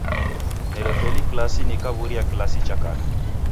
Nerefeli kilasi nikaw'uria kilasi cha kana.